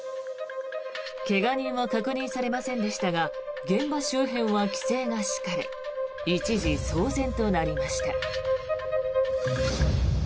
怪我人は確認されませんでしたが現場周辺は規制が敷かれ一時、騒然となりました。